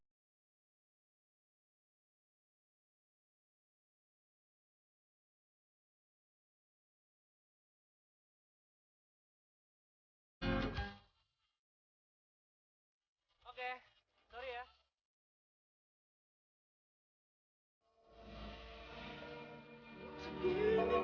makanya kalo jalan jangan pake jengkong